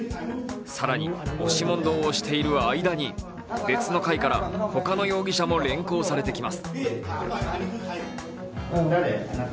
更に押し問答をしている間に別の階からほかの容疑者も連行されてきます。